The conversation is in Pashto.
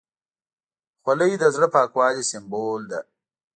خولۍ د زړه پاکوالي سمبول ده.